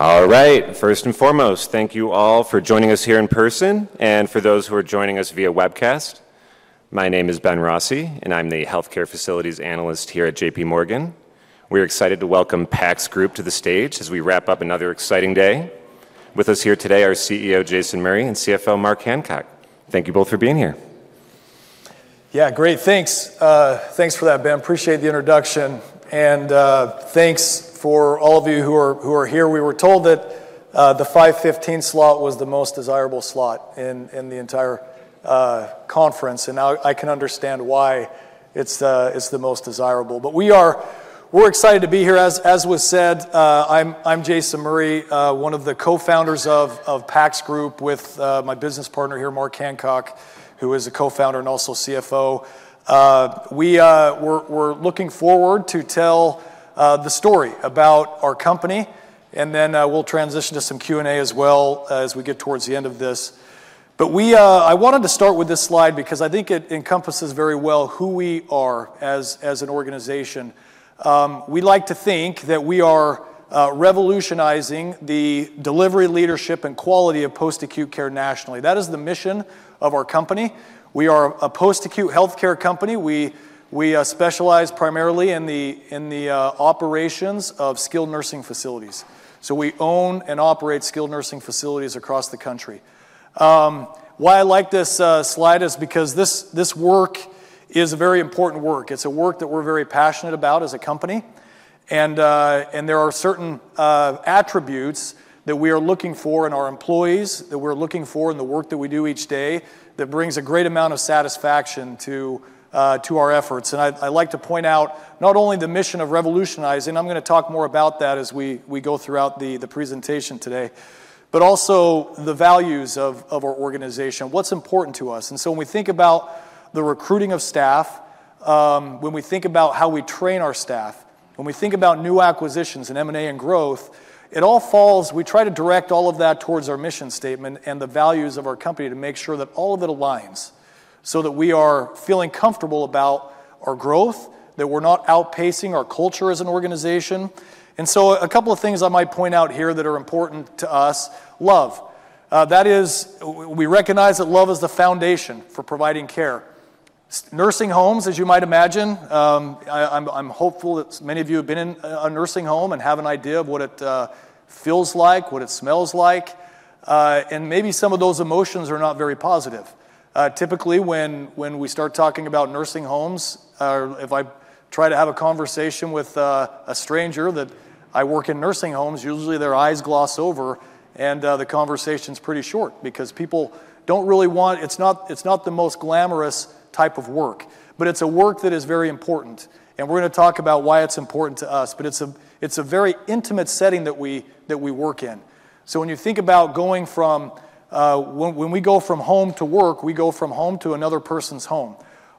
All right, first and foremost, thank you all for joining us here in person, and for those who are joining us via webcast. My name is Ben Rossi, and I'm the Healthcare Facilities Analyst here at J.P. Morgan. We're excited to welcome PACS Group to the stage as we wrap up another exciting day. With us here today are CEO Jason Murray and CFO Mark Hancock. Thank you both for being here. Yeah, great, thanks. Thanks for that, Ben. Appreciate the introduction, and thanks for all of you who are here. We were told that the 5:15 P.M. slot was the most desirable slot in the entire conference, and now I can understand why it's the most desirable, but we're excited to be here. As was said, I'm Jason Murray, one of the co-founders of PACS Group, with my business partner here, Mark Hancock, who is a co-founder and also CFO. We're looking forward to telling the story about our company, and then we'll transition to some Q&A as well as we get towards the end of this, but I wanted to start with this slide because I think it encompasses very well who we are as an organization. We like to think that we are revolutionizing the delivery, leadership, and quality of post-acute care nationally. That is the mission of our company. We are a post-acute healthcare company. We specialize primarily in the operations of skilled nursing facilities, so we own and operate skilled nursing facilities across the country. Why I like this slide is because this work is a very important work. It's a work that we're very passionate about as a company, and there are certain attributes that we are looking for in our employees, that we're looking for in the work that we do each day, that brings a great amount of satisfaction to our efforts. I'd like to point out not only the mission of revolutionizing, I'm going to talk more about that as we go throughout the presentation today, but also the values of our organization, what's important to us. And so when we think about the recruiting of staff, when we think about how we train our staff, when we think about new acquisitions and M&A and growth, it all, we try to direct all of that towards our mission statement and the values of our company to make sure that all of it aligns so that we are feeling comfortable about our growth, that we're not outpacing our culture as an organization. And so a couple of things I might point out here that are important to us: love. That is, we recognize that love is the foundation for providing care. Nursing homes, as you might imagine, I'm hopeful that many of you have been in a nursing home and have an idea of what it feels like, what it smells like. And maybe some of those emotions are not very positive. Typically, when we start talking about nursing homes, if I try to have a conversation with a stranger that I work in nursing homes, usually their eyes gloss over, and the conversation's pretty short because people don't really want, it's not the most glamorous type of work, but it's a work that is very important, and we're going to talk about why it's important to us, but it's a very intimate setting that we work in, so when you think about going from home to work, we go from home to another person's home.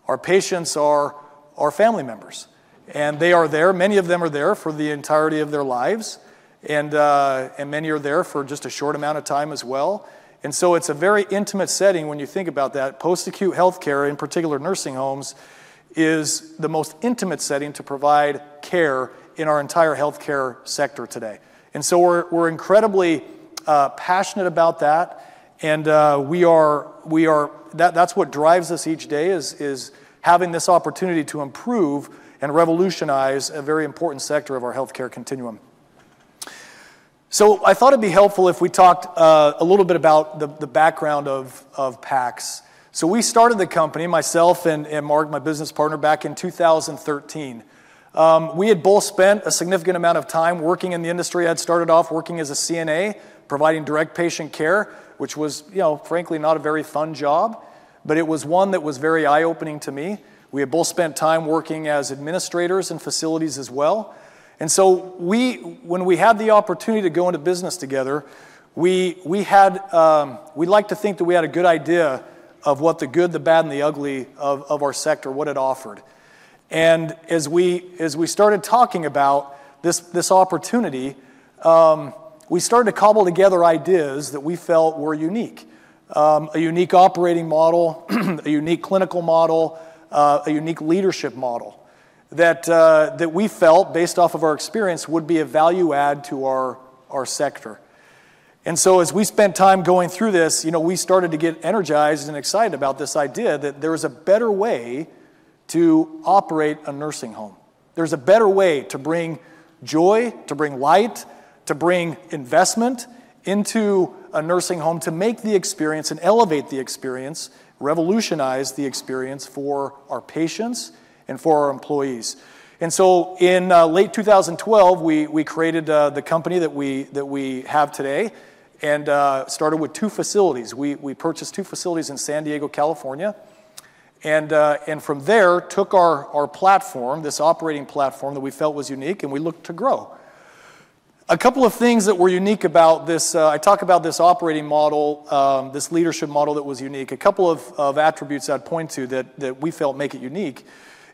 Our patients are our family members, and they are there, many of them are there for the entirety of their lives, and many are there for just a short amount of time as well, so it's a very intimate setting when you think about that. Post-acute healthcare, in particular nursing homes, is the most intimate setting to provide care in our entire healthcare sector today, and so we're incredibly passionate about that, and that's what drives us each day is having this opportunity to improve and revolutionize a very important sector of our healthcare continuum, so I thought it'd be helpful if we talked a little bit about the background of PACS, so we started the company, myself and Mark, my business partner, back in 2013. We had both spent a significant amount of time working in the industry. I had started off working as a CNA, providing direct patient care, which was, frankly, not a very fun job, but it was one that was very eye-opening to me. We had both spent time working as administrators in facilities as well. And so when we had the opportunity to go into business together, we liked to think that we had a good idea of what the good, the bad, and the ugly of our sector, what it offered. And as we started talking about this opportunity, we started to cobble together ideas that we felt were unique: a unique operating model, a unique clinical model, a unique leadership model that we felt, based off of our experience, would be a value add to our sector. And so as we spent time going through this, we started to get energized and excited about this idea that there is a better way to operate a nursing home. There's a better way to bring joy, to bring light, to bring investment into a nursing home, to make the experience and elevate the experience, revolutionize the experience for our patients and for our employees. And so in late 2012, we created the company that we have today and started with two facilities. We purchased two facilities in San Diego, California. And from there, took our platform, this operating platform that we felt was unique, and we looked to grow. A couple of things that were unique about this. I talk about this operating model, this leadership model that was unique. A couple of attributes I'd point to that we felt make it unique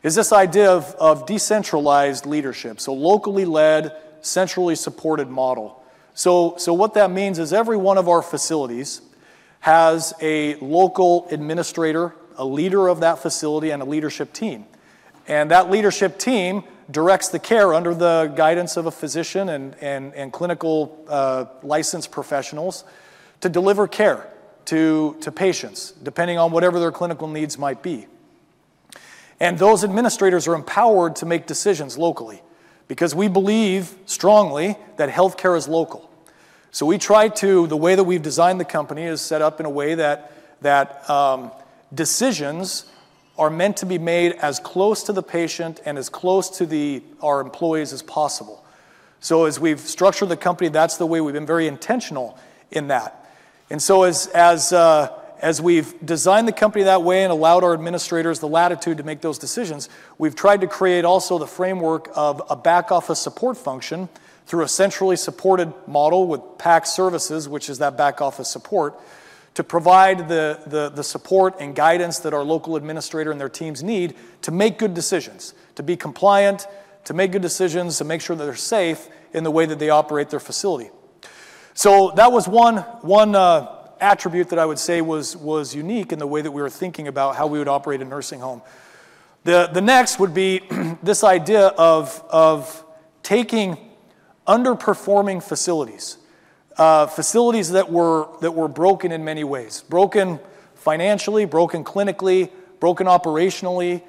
is this idea of decentralized leadership, so locally led, centrally supported model. So what that means is every one of our facilities has a local administrator, a leader of that facility, and a leadership team. And that leadership team directs the care under the guidance of a physician and clinical licensed professionals to deliver care to patients, depending on whatever their clinical needs might be. Those administrators are empowered to make decisions locally because we believe strongly that healthcare is local. The way that we've designed the company is set up in a way that decisions are meant to be made as close to the patient and as close to our employees as possible. As we've structured the company, that's the way we've been very intentional in that. And so as we've designed the company that way and allowed our administrators the latitude to make those decisions, we've tried to create also the framework of a back-office support function through a centrally supported model with PACS Services, which is that back-office support, to provide the support and guidance that our local administrator and their teams need to make good decisions, to be compliant, to make good decisions, to make sure that they're safe in the way that they operate their facility. So that was one attribute that I would say was unique in the way that we were thinking about how we would operate a nursing home. The next would be this idea of taking underperforming facilities, facilities that were broken in many ways: broken financially, broken clinically, broken operationally.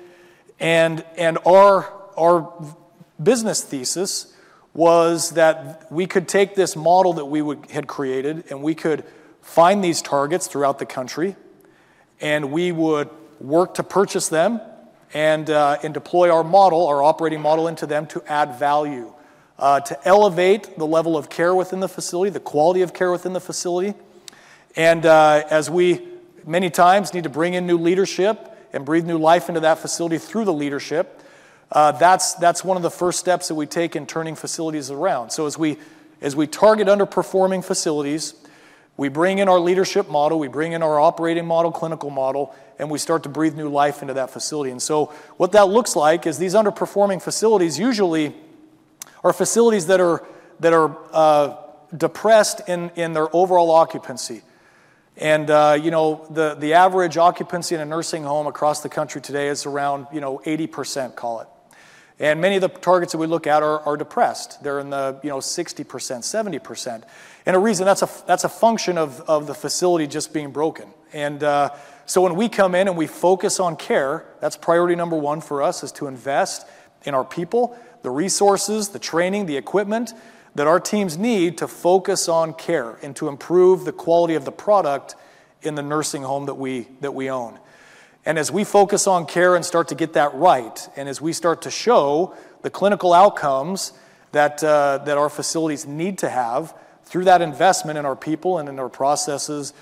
And our business thesis was that we could take this model that we had created, and we could find these targets throughout the country, and we would work to purchase them and deploy our model, our operating model, into them to add value, to elevate the level of care within the facility, the quality of care within the facility. And as we many times need to bring in new leadership and breathe new life into that facility through the leadership, that's one of the first steps that we take in turning facilities around. So as we target underperforming facilities, we bring in our leadership model, we bring in our operating model, clinical model, and we start to breathe new life into that facility. And so what that looks like is these underperforming facilities usually are facilities that are depressed in their overall occupancy. And the average occupancy in a nursing home across the country today is around 80%, call it. And many of the targets that we look at are depressed. They're in the 60%-70%. And the reason that's a function of the facility just being broken. And so when we come in and we focus on care, that's priority number one for us is to invest in our people, the resources, the training, the equipment that our teams need to focus on care and to improve the quality of the product in the nursing home that we own. And as we focus on care and start to get that right, and as we start to show the clinical outcomes that our facilities need to have through that investment in our people and in our processes,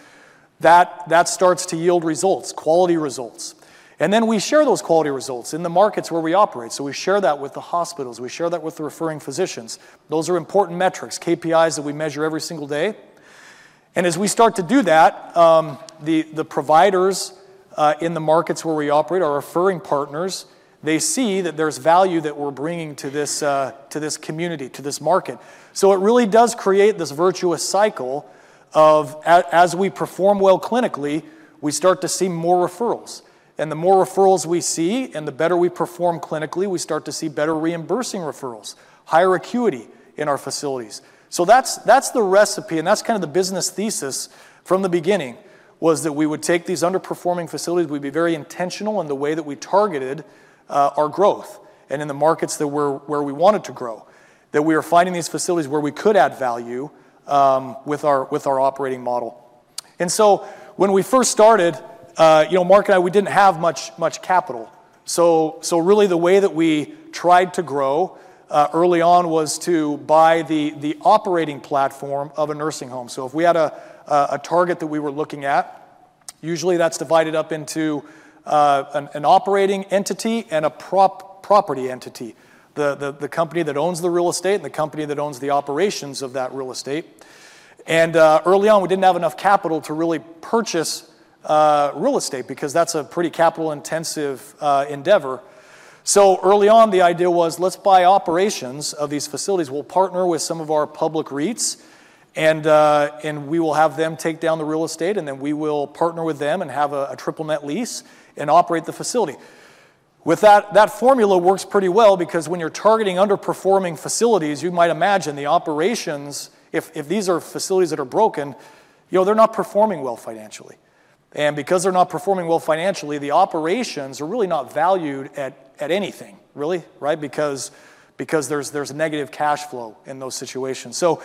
that starts to yield results, quality results. And then we share those quality results in the markets where we operate. So we share that with the hospitals. We share that with the referring physicians. Those are important metrics, KPIs that we measure every single day. And as we start to do that, the providers in the markets where we operate, our referring partners, they see that there's value that we're bringing to this community, to this market. So it really does create this virtuous cycle of, as we perform well clinically, we start to see more referrals. And the more referrals we see and the better we perform clinically, we start to see better reimbursing referrals, higher acuity in our facilities. So that's the recipe, and that's kind of the business thesis from the beginning, was that we would take these underperforming facilities, we'd be very intentional in the way that we targeted our growth and in the markets that were where we wanted to grow, that we were finding these facilities where we could add value with our operating model. And so when we first started, Mark and I, we didn't have much capital. So really, the way that we tried to grow early on was to buy the operating platform of a nursing home. So if we had a target that we were looking at, usually that's divided up into an operating entity and a property entity, the company that owns the real estate and the company that owns the operations of that real estate. And early on, we didn't have enough capital to really purchase real estate because that's a pretty capital-intensive endeavor. So early on, the idea was, let's buy operations of these facilities. We'll partner with some of our public REITs, and we will have them take down the real estate, and then we will partner with them and have a triple-net lease and operate the facility. With that, that formula works pretty well because when you're targeting underperforming facilities, you might imagine the operations, if these are facilities that are broken, they're not performing well financially. And because they're not performing well financially, the operations are really not valued at anything, really, right? Because there's negative cash flow in those situations. So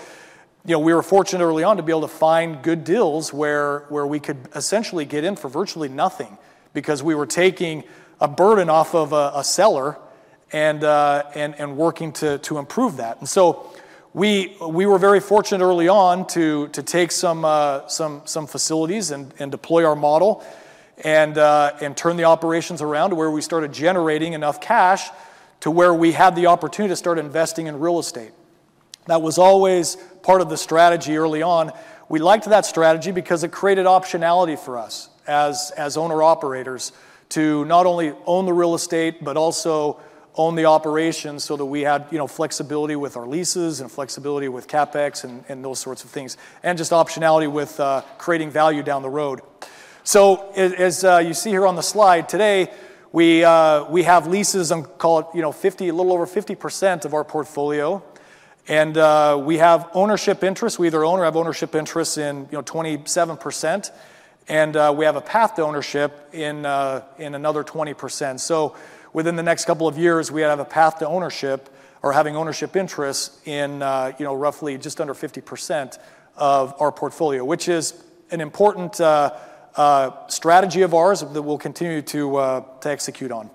we were fortunate early on to be able to find good deals where we could essentially get in for virtually nothing because we were taking a burden off of a seller and working to improve that. And so we were very fortunate early on to take some facilities and deploy our model and turn the operations around to where we started generating enough cash to where we had the opportunity to start investing in real estate. That was always part of the strategy early on. We liked that strategy because it created optionality for us as owner-operators to not only own the real estate but also own the operations so that we had flexibility with our leases and flexibility with CapEx and those sorts of things, and just optionality with creating value down the road. So as you see here on the slide, today we have leases on, call it, a little over 50% of our portfolio. And we have ownership interests. We either own or have ownership interests in 27%, and we have a path to ownership in another 20%. So within the next couple of years, we have a path to ownership or having ownership interests in roughly just under 50% of our portfolio, which is an important strategy of ours that we'll continue to execute on.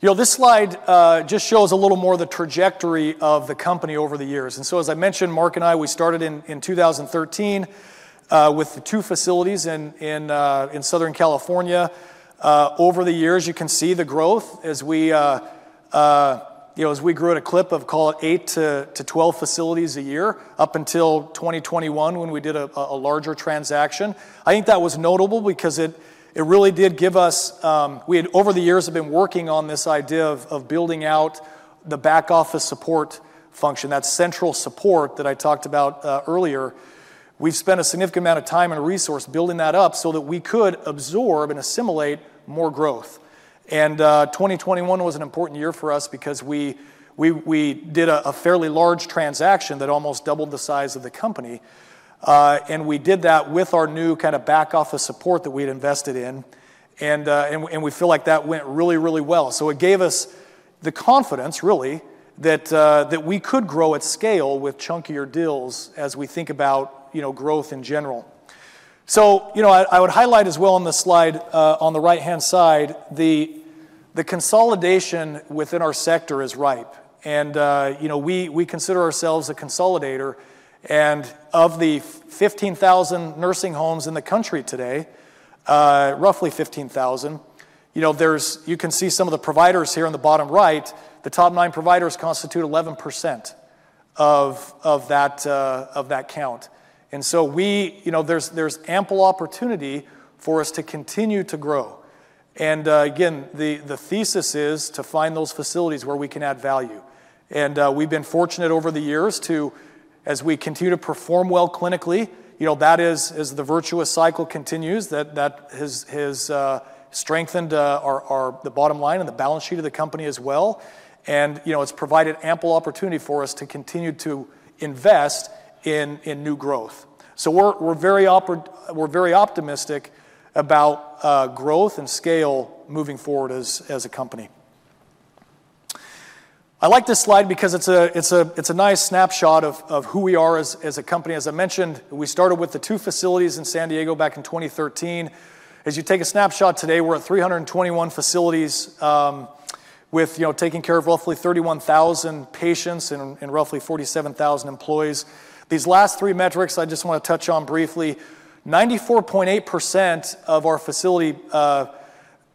This slide just shows a little more of the trajectory of the company over the years. And so, as I mentioned, Mark and I, we started in 2013 with two facilities in Southern California. Over the years, you can see the growth as we grew at a clip of, call it, 8-12 facilities a year up until 2021 when we did a larger transaction. I think that was notable because it really did give us, we had, over the years, been working on this idea of building out the back-office support function, that central support that I talked about earlier. We've spent a significant amount of time and resources building that up so that we could absorb and assimilate more growth, and 2021 was an important year for us because we did a fairly large transaction that almost doubled the size of the company, and we did that with our new kind of back-office support that we had invested in, and we feel like that went really, really well, so it gave us the confidence, really, that we could grow at scale with chunkier deals as we think about growth in general, so I would highlight as well on the slide on the right-hand side, the consolidation within our sector is ripe. And we consider ourselves a consolidator. And of the 15,000 nursing homes in the country today, roughly 15,000, you can see some of the providers here on the bottom right. The top nine providers constitute 11% of that count. And so there's ample opportunity for us to continue to grow. And again, the thesis is to find those facilities where we can add value. And we've been fortunate over the years to, as we continue to perform well clinically, that is, as the virtuous cycle continues, that has strengthened the bottom line and the balance sheet of the company as well. And it's provided ample opportunity for us to continue to invest in new growth. So we're very optimistic about growth and scale moving forward as a company. I like this slide because it's a nice snapshot of who we are as a company. As I mentioned, we started with the two facilities in San Diego back in 2013. As you take a snapshot today, we're at 321 facilities with taking care of roughly 31,000 patients and roughly 47,000 employees. These last three metrics I just want to touch on briefly. 94.8% of our facility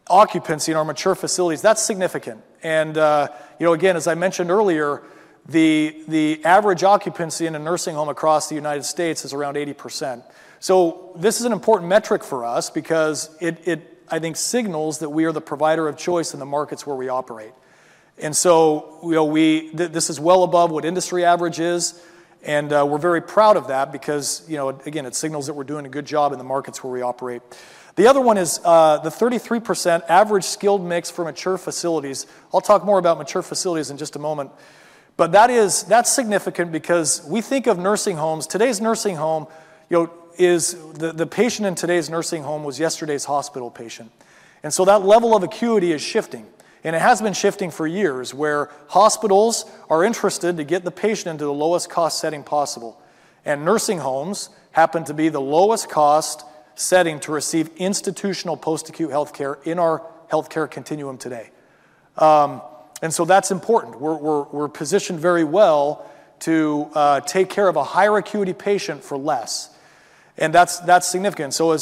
occupancy in our mature facilities, that's significant. And again, as I mentioned earlier, the average occupancy in a nursing home across the United States is around 80%. So this is an important metric for us because it, I think, signals that we are the provider of choice in the markets where we operate. And so this is well above what industry average is. And we're very proud of that because, again, it signals that we're doing a good job in the markets where we operate. The other one is the 33% average skilled mix for mature facilities. I'll talk more about mature facilities in just a moment, but that's significant because we think of nursing homes. Today's nursing home is the patient in today's nursing home was yesterday's hospital patient, and so that level of acuity is shifting, and it has been shifting for years where hospitals are interested to get the patient into the lowest cost setting possible, and nursing homes happen to be the lowest cost setting to receive institutional post-acute healthcare in our healthcare continuum today, and so that's important. We're positioned very well to take care of a higher acuity patient for less, and that's significant, so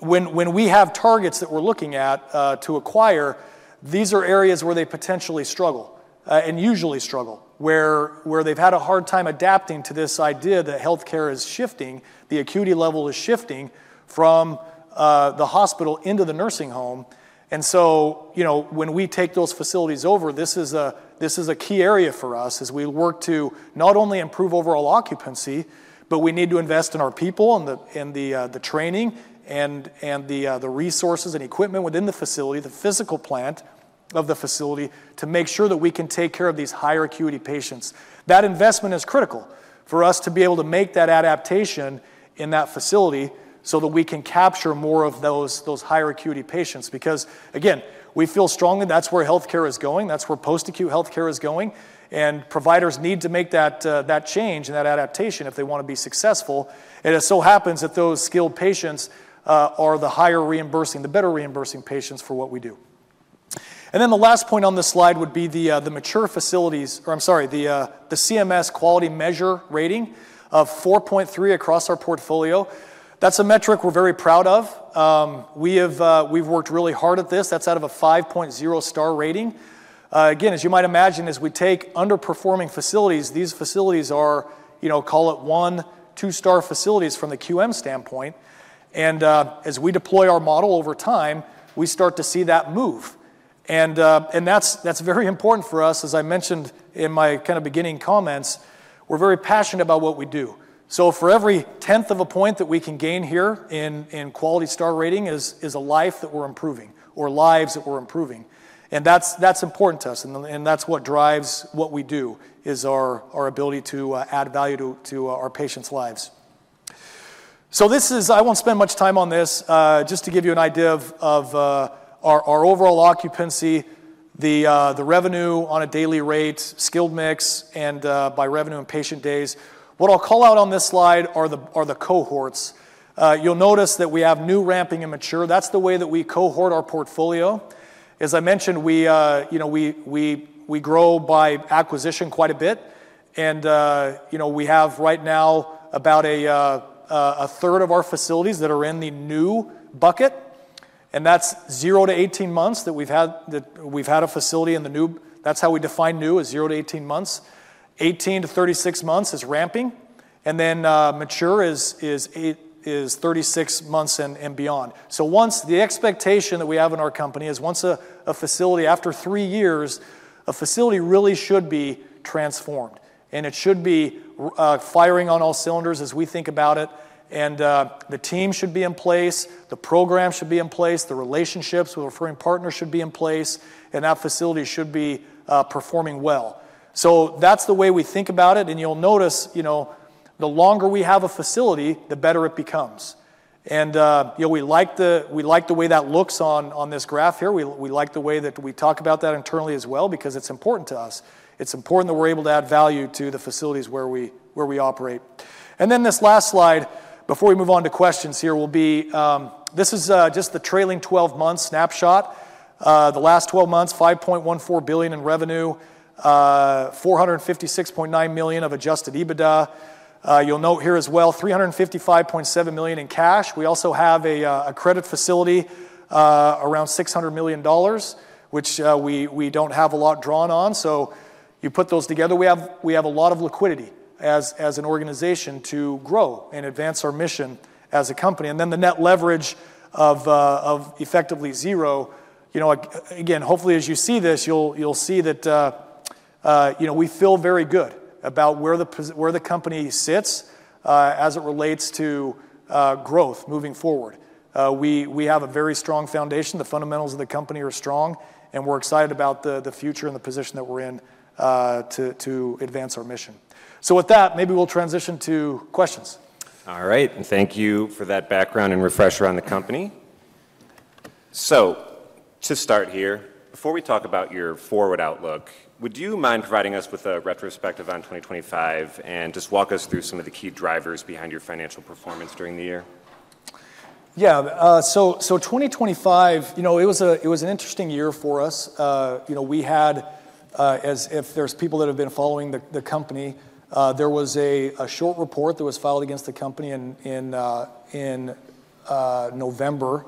when we have targets that we're looking at to acquire, these are areas where they potentially struggle and usually struggle, where they've had a hard time adapting to this idea that healthcare is shifting, the acuity level is shifting from the hospital into the nursing home. And so when we take those facilities over, this is a key area for us as we work to not only improve overall occupancy, but we need to invest in our people and the training and the resources and equipment within the facility, the physical plant of the facility to make sure that we can take care of these higher acuity patients. That investment is critical for us to be able to make that adaptation in that facility so that we can capture more of those higher acuity patients because, again, we feel strongly that's where healthcare is going. That's where post-acute healthcare is going. And providers need to make that change and that adaptation if they want to be successful. And it so happens that those skilled patients are the higher reimbursing, the better reimbursing patients for what we do. And then the last point on the slide would be the mature facilities or, I'm sorry, the CMS quality measure rating of 4.3 across our portfolio. That's a metric we're very proud of. We've worked really hard at this. That's out of a 5.0-star rating. Again, as you might imagine, as we take underperforming facilities, these facilities are, call it, one, two-star facilities from the QM standpoint. And as we deploy our model over time, we start to see that move. And that's very important for us. As I mentioned in my kind of beginning comments, we're very passionate about what we do. So for every tenth of a point that we can gain here in quality star rating is a life that we're improving or lives that we're improving. And that's important to us. That's what drives what we do is our ability to add value to our patients' lives. So I won't spend much time on this. Just to give you an idea of our overall occupancy, the revenue on a daily rate, skilled mix, and by revenue and patient days, what I'll call out on this slide are the cohorts. You'll notice that we have new, ramping, and mature. That's the way that we cohort our portfolio. As I mentioned, we grow by acquisition quite a bit. We have right now about a third of our facilities that are in the new bucket. That's 0 to 18 months that we've had a facility in the new. That's how we define new is 0 to 18 months. 18 to 36 months is ramping. Then mature is 36 months and beyond. So the expectation that we have in our company is once a facility, after three years, a facility really should be transformed. And it should be firing on all cylinders as we think about it. And the team should be in place. The program should be in place. The relationships with referring partners should be in place. And that facility should be performing well. So that's the way we think about it. And you'll notice the longer we have a facility, the better it becomes. And we like the way that looks on this graph here. We like the way that we talk about that internally as well because it's important to us. It's important that we're able to add value to the facilities where we operate. And then this last slide before we move on to questions here will be this is just the trailing 12-month snapshot. The last 12 months, $5.14 billion in revenue, $456.9 million of Adjusted EBITDA. You'll note here as well, $355.7 million in cash. We also have a credit facility around $600 million, which we don't have a lot drawn on. So you put those together, we have a lot of liquidity as an organization to grow and advance our mission as a company. And then the net leverage of effectively zero. Again, hopefully, as you see this, you'll see that we feel very good about where the company sits as it relates to growth moving forward. We have a very strong foundation. The fundamentals of the company are strong. And we're excited about the future and the position that we're in to advance our mission. So with that, maybe we'll transition to questions. All right, and thank you for that background and refresher on the company, so to start here, before we talk about your forward outlook, would you mind providing us with a retrospective on 2025 and just walk us through some of the key drivers behind your financial performance during the year? Yeah. So 2025, it was an interesting year for us. We had, if there's people that have been following the company, there was a short report that was filed against the company in November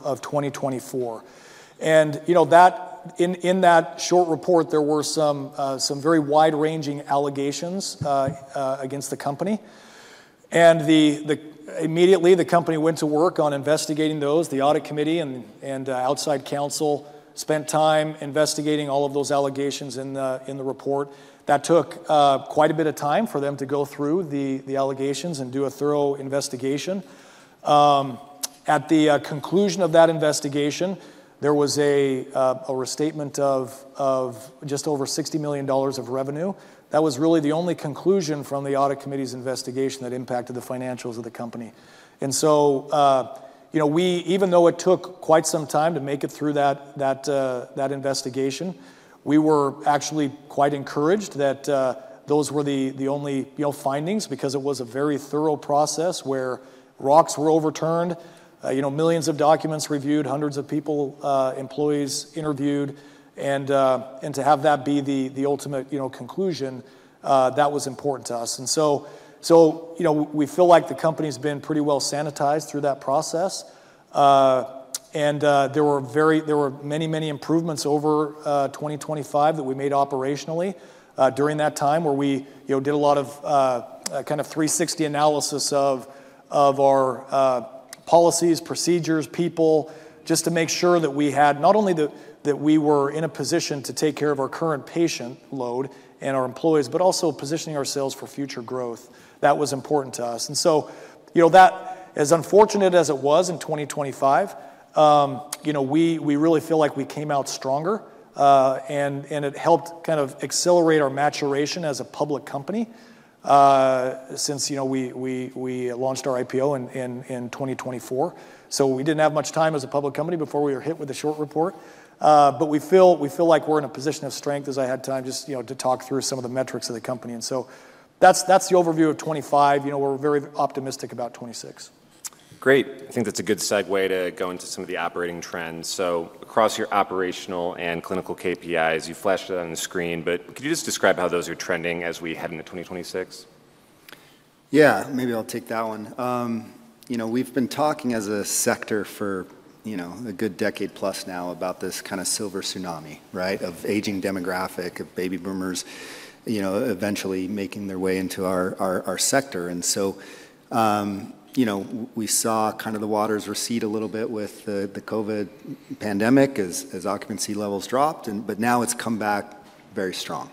of 2024. And in that short report, there were some very wide-ranging allegations against the company. And immediately, the company went to work on investigating those. The audit committee and outside counsel spent time investigating all of those allegations in the report. That took quite a bit of time for them to go through the allegations and do a thorough investigation. At the conclusion of that investigation, there was a restatement of just over $60 million of revenue. That was really the only conclusion from the audit committee's investigation that impacted the financials of the company. Even though it took quite some time to make it through that investigation, we were actually quite encouraged that those were the only findings because it was a very thorough process where rocks were overturned, millions of documents reviewed, hundreds of people, employees interviewed. To have that be the ultimate conclusion, that was important to us. We feel like the company has been pretty well sanitized through that process. There were many, many improvements over 2025 that we made operationally during that time where we did a lot of kind of 360 analysis of our policies, procedures, people, just to make sure that we had not only that we were in a position to take care of our current patient load and our employees, but also positioning ourselves for future growth. That was important to us. And so as unfortunate as it was in 2025, we really feel like we came out stronger. And it helped kind of accelerate our maturation as a public company since we launched our IPO in 2024. So we didn't have much time as a public company before we were hit with a short report. But we feel like we're in a position of strength as I had time just to talk through some of the metrics of the company. And so that's the overview of 2025. We're very optimistic about 2026. Great. I think that's a good segue to go into some of the operating trends. So across your operational and clinical KPIs, you flashed it on the screen, but could you just describe how those are trending as we head into 2026? Yeah. Maybe I'll take that one. We've been talking as a sector for a good decade plus now about this kind of silver tsunami, right, of aging demographic, of baby boomers eventually making their way into our sector, and so we saw kind of the waters recede a little bit with the COVID pandemic as occupancy levels dropped, but now it's come back very strong,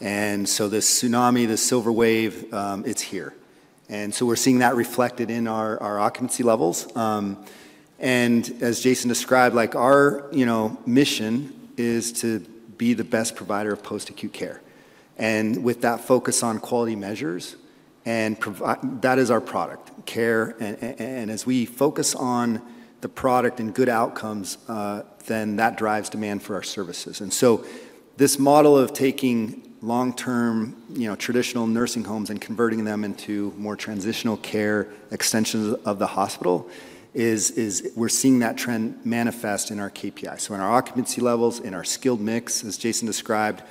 and so this tsunami, this silver wave, it's here, and so we're seeing that reflected in our occupancy levels, and as Jason described, our mission is to be the best provider of post-acute care, and with that focus on quality measures, that is our product care, and as we focus on the product and good outcomes, then that drives demand for our services. And so this model of taking long-term traditional nursing homes and converting them into more transitional care extensions of the hospital, we're seeing that trend manifest in our KPIs. So in our occupancy levels, in our skilled mix, as Jason described,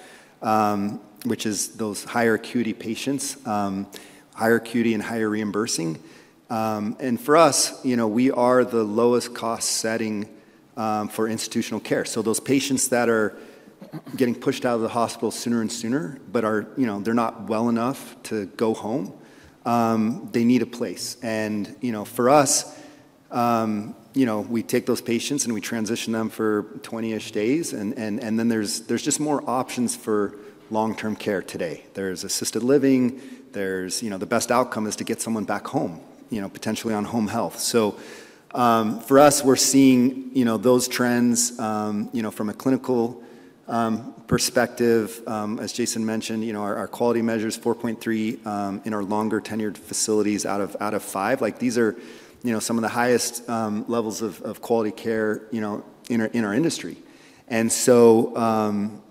which is those higher acuity patients, higher acuity and higher reimbursing. And for us, we are the lowest cost setting for institutional care. So those patients that are getting pushed out of the hospital sooner and sooner, but they're not well enough to go home, they need a place. And for us, we take those patients and we transition them for 20 days. And then there's just more options for long-term care today. There's assisted living. The best outcome is to get someone back home, potentially on home health. So for us, we're seeing those trends from a clinical perspective. As Jason mentioned, our quality measures 4.3 in our longer-tenured facilities out of five. These are some of the highest levels of quality care in our industry, and so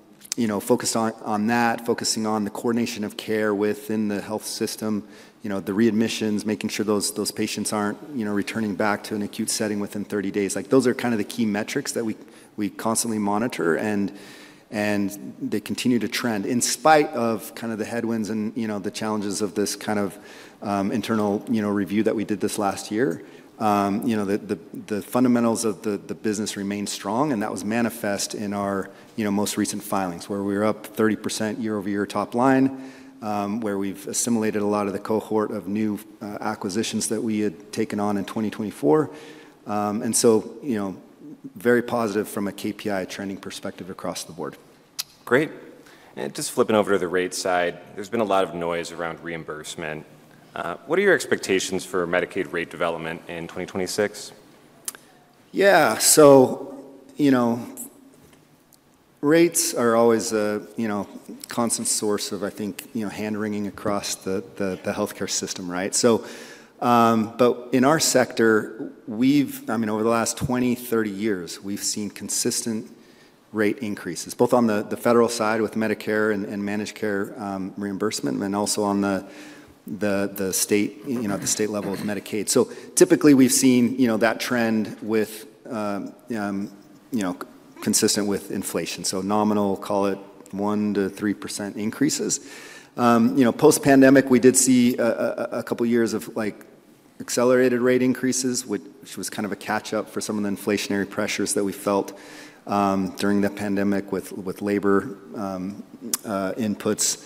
focused on that, focusing on the coordination of care within the health system, the readmissions, making sure those patients aren't returning back to an acute setting within 30 days. Those are kind of the key metrics that we constantly monitor, and they continue to trend. In spite of kind of the headwinds and the challenges of this kind of internal review that we did this last year, the fundamentals of the business remain strong, and that was manifest in our most recent filings where we were up 30% year-over-year top line, where we've assimilated a lot of the cohort of new acquisitions that we had taken on in 2024, and so very positive from a KPI trending perspective across the board. Great. And just flipping over to the rate side, there's been a lot of noise around reimbursement. What are your expectations for Medicaid rate development in 2026? Yeah. So rates are always a constant source of, I think, hand-wringing across the healthcare system, right? But in our sector, I mean, over the last 20, 30 years, we've seen consistent rate increases, both on the federal side with Medicare and managed care reimbursement, and also on the state level with Medicaid. So typically, we've seen that trend consistent with inflation. So nominal, call it 1-3% increases. Post-pandemic, we did see a couple of years of accelerated rate increases, which was kind of a catch-up for some of the inflationary pressures that we felt during the pandemic with labor inputs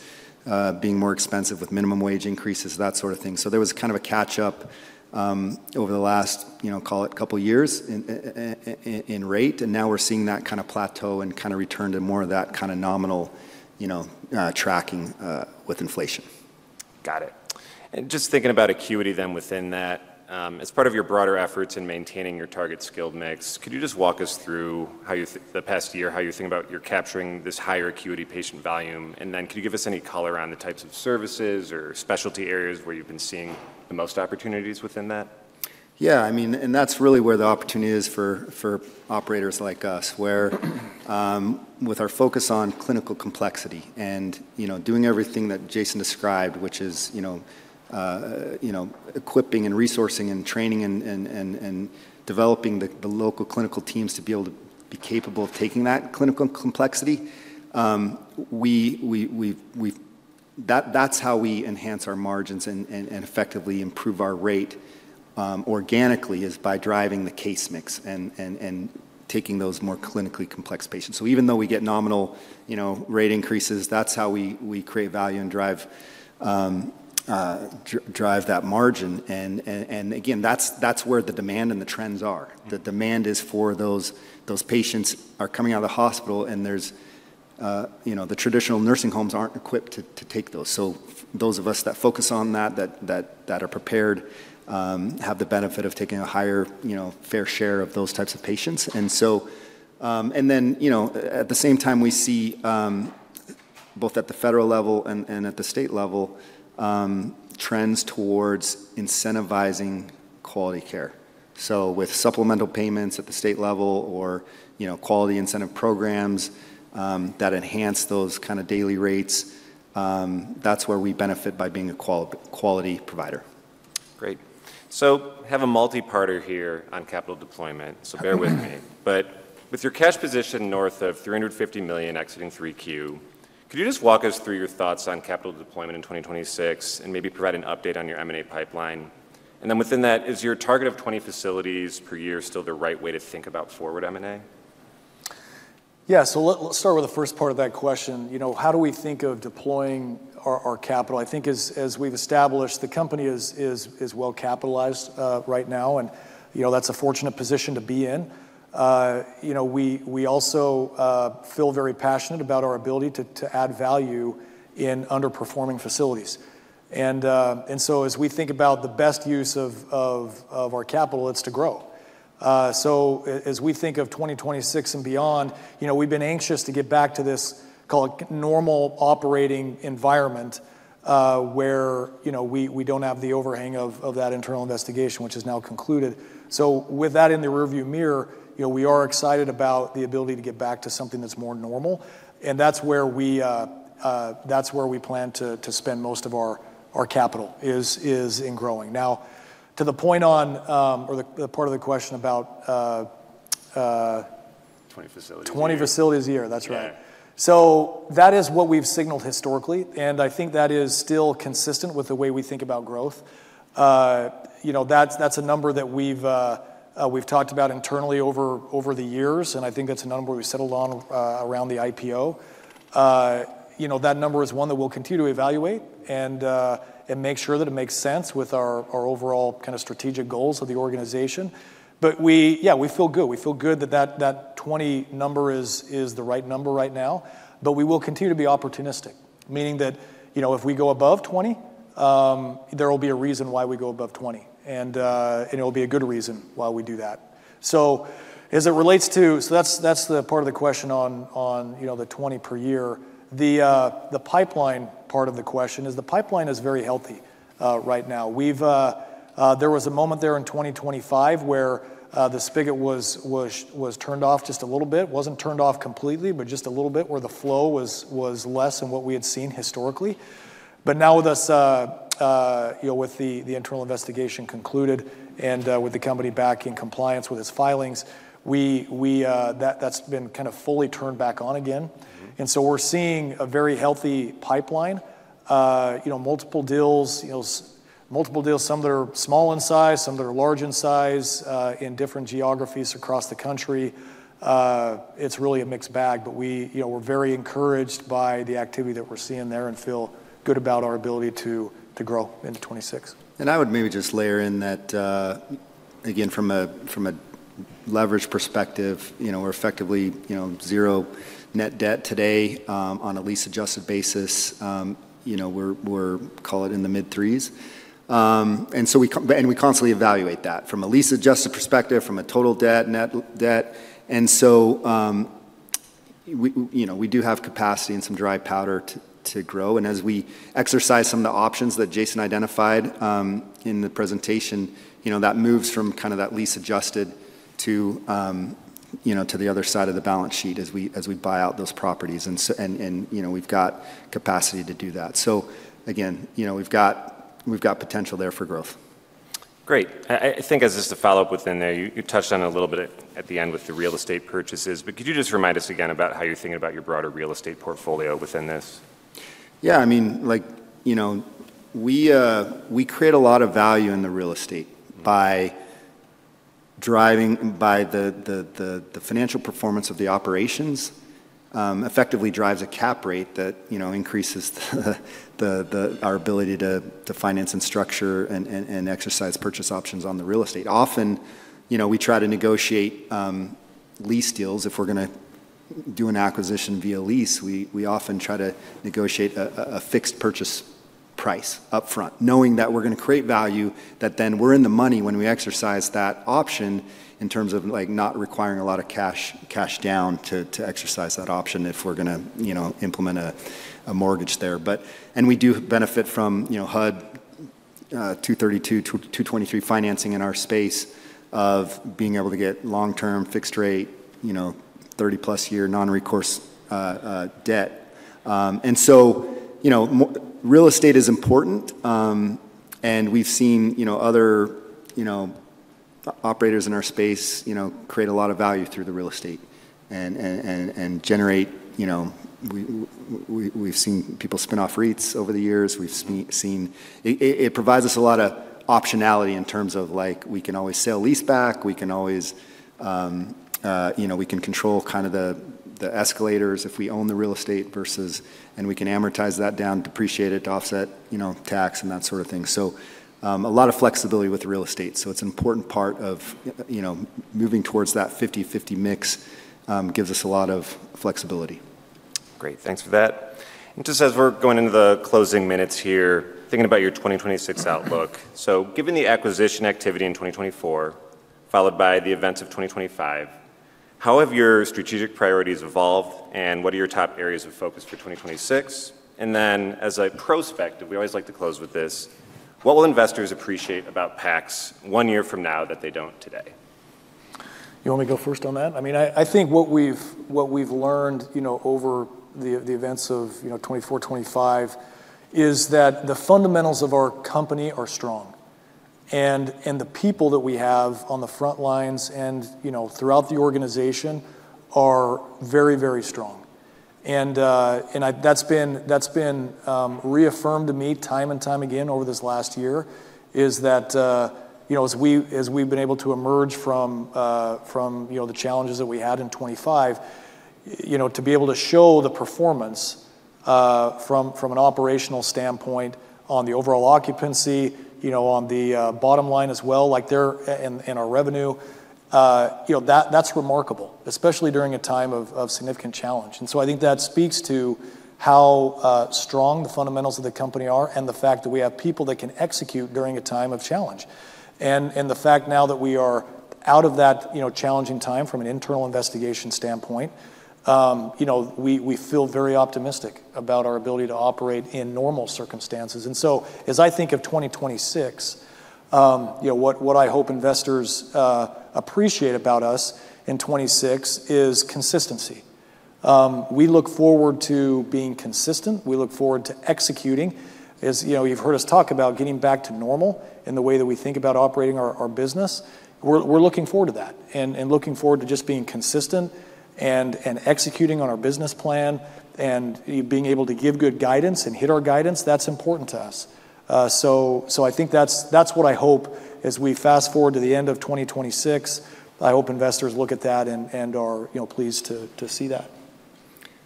being more expensive with minimum wage increases, that sort of thing. So there was kind of a catch-up over the last, call it, couple of years in rate. And now we're seeing that kind of plateau and kind of return to more of that kind of nominal tracking with inflation. Got it, and just thinking about acuity then within that, as part of your broader efforts in maintaining your target skilled mix, could you just walk us through the past year how you're thinking about your capturing this higher acuity patient volume, and then could you give us any color on the types of services or specialty areas where you've been seeing the most opportunities within that? Yeah. I mean, and that's really where the opportunity is for operators like us, where with our focus on clinical complexity and doing everything that Jason described, which is equipping and resourcing and training and developing the local clinical teams to be able to be capable of taking that clinical complexity, that's how we enhance our margins and effectively improve our rate organically is by driving the case mix and taking those more clinically complex patients. So even though we get nominal rate increases, that's how we create value and drive that margin. And again, that's where the demand and the trends are. The demand is for those patients are coming out of the hospital, and the traditional nursing homes aren't equipped to take those. So those of us that focus on that, that are prepared, have the benefit of taking a higher fair share of those types of patients. And then at the same time, we see both at the federal level and at the state level trends towards incentivizing quality care. So with supplemental payments at the state level or quality incentive programs that enhance those kind of daily rates, that's where we benefit by being a quality provider. Great. So I have a multi-parter here on capital deployment, so bear with me. But with your cash position north of $350 million exiting 3Q, could you just walk us through your thoughts on capital deployment in 2026 and maybe provide an update on your M&A pipeline? And then within that, is your target of 20 facilities per year still the right way to think about forward M&A? Yeah. So let's start with the first part of that question. How do we think of deploying our capital? I think as we've established, the company is well capitalized right now, and that's a fortunate position to be in. We also feel very passionate about our ability to add value in underperforming facilities. And so as we think about the best use of our capital, it's to grow. So as we think of 2026 and beyond, we've been anxious to get back to this, call it, normal operating environment where we don't have the overhang of that internal investigation, which has now concluded. So with that in the rearview mirror, we are excited about the ability to get back to something that's more normal. And that's where we plan to spend most of our capital is in growing. Now, to the point on or the part of the question about. 20 facilities. 20 facilities a year. That's right. So that is what we've signaled historically. And I think that is still consistent with the way we think about growth. That's a number that we've talked about internally over the years. And I think that's a number we settled on around the IPO. That number is one that we'll continue to evaluate and make sure that it makes sense with our overall kind of strategic goals of the organization. But yeah, we feel good. We feel good that that 20 number is the right number right now. But we will continue to be opportunistic, meaning that if we go above 20, there will be a reason why we go above 20. And it will be a good reason why we do that. So as it relates to, so that's the part of the question on the 20 per year. The pipeline part of the question is the pipeline is very healthy right now. There was a moment there in 2025 where the spigot was turned off just a little bit. It wasn't turned off completely, but just a little bit where the flow was less than what we had seen historically. But now with the internal investigation concluded and with the company back in compliance with its filings, that's been kind of fully turned back on again. And so we're seeing a very healthy pipeline, multiple deals, some that are small in size, some that are large in size in different geographies across the country. It's really a mixed bag, but we're very encouraged by the activity that we're seeing there and feel good about our ability to grow into 2026. And I would maybe just layer in that, again, from a leverage perspective, we're effectively zero net debt today on a lease-adjusted basis. We're, call it, in the mid-threes. And we constantly evaluate that from a lease-adjusted perspective, from a total debt, net debt. And so we do have capacity and some dry powder to grow. And as we exercise some of the options that Jason identified in the presentation, that moves from kind of that lease-adjusted to the other side of the balance sheet as we buy out those properties. And we've got capacity to do that. So again, we've got potential there for growth. Great. I think as just a follow-up within there, you touched on it a little bit at the end with the real estate purchases, but could you just remind us again about how you're thinking about your broader real estate portfolio within this? Yeah. I mean, we create a lot of value in the real estate by driving the financial performance of the operations effectively drives a cap rate that increases our ability to finance and structure and exercise purchase options on the real estate. Often, we try to negotiate lease deals. If we're going to do an acquisition via lease, we often try to negotiate a fixed purchase price upfront, knowing that we're going to create value, that then we're in the money when we exercise that option in terms of not requiring a lot of cash down to exercise that option if we're going to implement a mortgage there. And we do benefit from HUD 232/223 financing in our space of being able to get long-term fixed rate, 30+ year non-recourse debt. And so real estate is important. We've seen other operators in our space create a lot of value through the real estate and generate. We've seen people spin off REITs over the years. It provides us a lot of optionality in terms of we can always sell lease back. We can control kind of the escalators if we own the real estate versus, and we can amortize that down, depreciate it to offset tax and that sort of thing. So a lot of flexibility with real estate. So it's an important part of moving towards that 50/50 mix gives us a lot of flexibility. Great. Thanks for that. And just as we're going into the closing minutes here, thinking about your 2026 outlook, so given the acquisition activity in 2024, followed by the events of 2025, how have your strategic priorities evolved, and what are your top areas of focus for 2026? And then as a prospect, we always like to close with this, what will investors appreciate about PACS one year from now that they don't today? You want me to go first on that? I mean, I think what we've learned over the events of 2024, 2025 is that the fundamentals of our company are strong, and the people that we have on the front lines and throughout the organization are very, very strong. That's been reaffirmed to me time and time again over this last year, is that as we've been able to emerge from the challenges that we had in 2025, to be able to show the performance from an operational standpoint on the overall occupancy, on the bottom line as well, like there in our revenue, that's remarkable, especially during a time of significant challenge. So I think that speaks to how strong the fundamentals of the company are and the fact that we have people that can execute during a time of challenge. And the fact now that we are out of that challenging time from an internal investigation standpoint, we feel very optimistic about our ability to operate in normal circumstances. And so as I think of 2026, what I hope investors appreciate about us in 2026 is consistency. We look forward to being consistent. We look forward to executing. As you've heard us talk about getting back to normal in the way that we think about operating our business, we're looking forward to that and looking forward to just being consistent and executing on our business plan and being able to give good guidance and hit our guidance. That's important to us. So I think that's what I hope as we fast forward to the end of 2026. I hope investors look at that and are pleased to see that.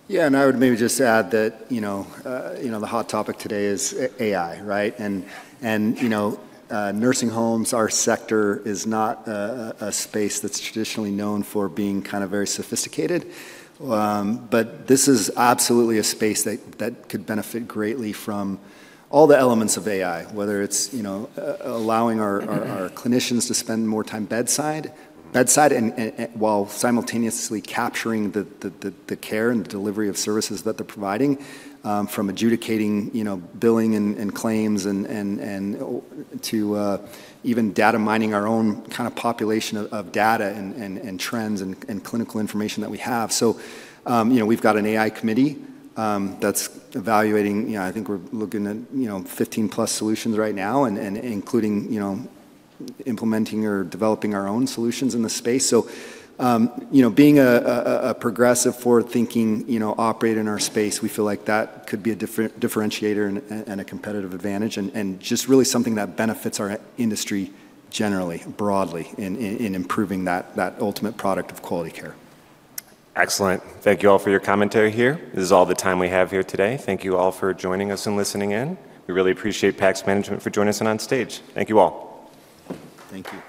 Yeah. And I would maybe just add that the hot topic today is AI, right? And nursing homes, our sector is not a space that's traditionally known for being kind of very sophisticated. But this is absolutely a space that could benefit greatly from all the elements of AI, whether it's allowing our clinicians to spend more time bedside while simultaneously capturing the care and the delivery of services that they're providing from adjudicating billing and claims to even data mining our own kind of population of data and trends and clinical information that we have. So we've got an AI committee that's evaluating. I think we're looking at 15+ solutions right now, including implementing or developing our own solutions in the space. So being a progressive forward-thinking operator in our space, we feel like that could be a differentiator and a competitive advantage and just really something that benefits our industry generally, broadly in improving that ultimate product of quality care. Excellent. Thank you all for your commentary here. This is all the time we have here today. Thank you all for joining us and listening in. We really appreciate PACS Group for joining us and on stage. Thank you all. Thank you.